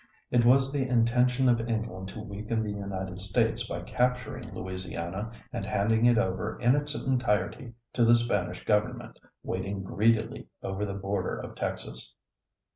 It was the intention of England to weaken the United States by capturing Louisiana and handing it over in its entirety to the Spanish government waiting greedily over the border of Texas.